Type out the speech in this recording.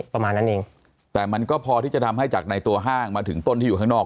ประมาณนั้นเองแต่มันก็พอที่จะทำให้จากในตัวห้างมาถึงต้นที่อยู่ข้างนอก